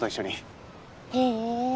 へえ！